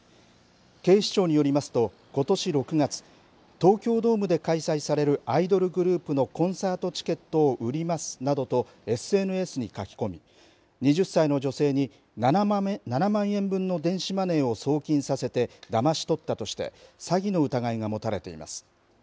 警視庁によりますとことし６月東京ドームで開催されるアイドルグループのコンサートチケットを売りますなどとＳＮＳに書き込み２０歳の女性に７万円分の電子マネーを送金させてだまし取ったとして詐欺の疑いが持たれています。